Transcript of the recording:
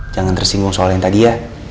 jangan tersinggung soal yang tadi ya